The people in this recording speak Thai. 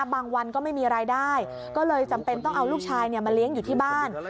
วันก็ไม่มีรายได้ก็เลยจำเป็นต้องเอาลูกชายมาเลี้ยงอยู่ที่บ้าน